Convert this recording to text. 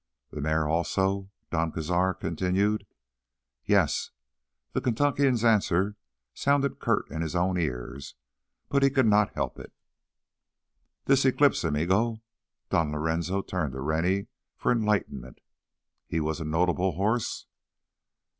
"The mare also?" Don Cazar continued. "Yes." The Kentuckian's answer sounded curt in his own ears, but he could not help it. "This Eclipse, amigo," Don Lorenzo turned to Rennie for enlightenment—"he was a notable horse?"